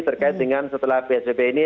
terkait dengan setelah psbb ini